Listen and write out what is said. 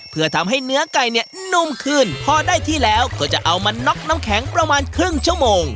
เพื่อทำให้เนื้อไก่เนี่ยนุ่มขึ้นพอได้ที่แล้วก็จะเอามาน็อกน้ำแข็งประมาณครึ่งชั่วโมง